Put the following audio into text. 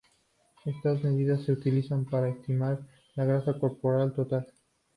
Estas medidas se utilizan para estimar la grasa corporal total.